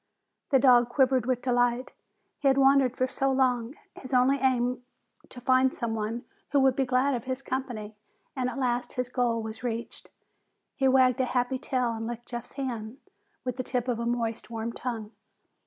The dog quivered with delight. He had wandered for so long, his only aim to find someone who would be glad of his company, and at last his goal was reached! He wagged a happy tail and licked Jeff's hand with the tip of a moist, warm tongue.